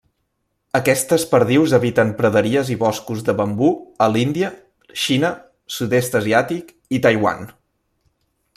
Aquestes perdius habiten praderies i boscos de bambú a l'Índia, Xina, sud-est asiàtic i Taiwan.